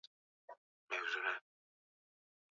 mashirika yanatoa maandiko ya redio katika mada mbalimbali